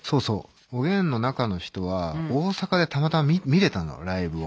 おげんの中の人は大阪でたまたま見れたのライブを。